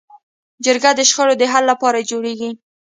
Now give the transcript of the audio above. جرګه د شخړو د حل لپاره جوړېږي